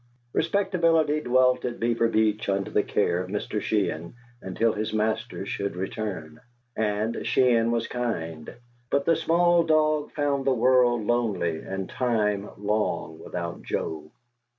Respectability dwelt at Beaver Beach under the care of Mr. Sheehan until his master should return; and Sheehan was kind; but the small dog found the world lonely and time long without Joe.